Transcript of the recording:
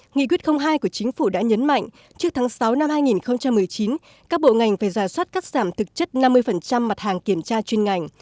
nghị quyết hai của chính phủ đã nhấn mạnh trước tháng sáu năm hai nghìn một mươi chín các bộ ngành phải giả soát cắt giảm thực chất năm mươi mặt hàng kiểm tra chuyên ngành